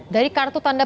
dari kartu tanda